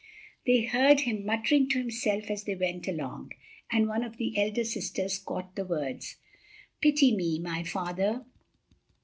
They heard him muttering to himself as they went along, and one of the elder sisters caught the words: "Pity me, my father!"